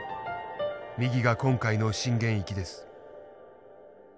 右が今回の震源域です。